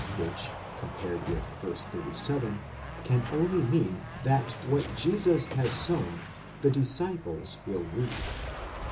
which, compared with v. 37, can only mean that what Jesus has sown, the disciples will reap.